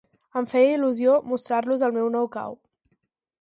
Em feia il·lusió mostrar-los el meu nou cau.